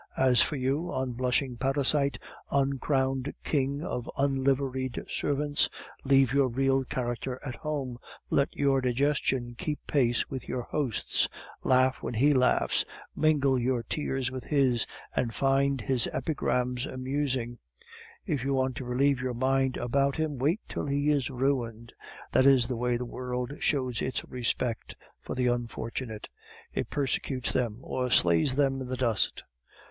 As for you, unblushing parasite, uncrowned king of unliveried servants, leave your real character at home, let your digestion keep pace with your host's laugh when he laughs, mingle your tears with his, and find his epigrams amusing; if you want to relieve your mind about him, wait till he is ruined. That is the way the world shows its respect for the unfortunate; it persecutes them, or slays them in the dust.